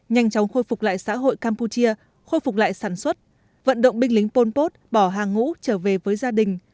nhanh chóng khôi phục lại xã hội campuchia khôi phục lại sản xuất vận động binh lính pol pot bỏ hàng ngũ trở về với gia đình